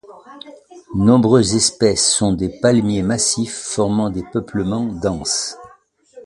Nombreuses espèces sont des palmiers massifs formant des peuplements denses.